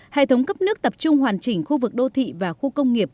hệ thống cấp nước tập trung hoàn chỉnh khu vực đô thị và khu công nghiệp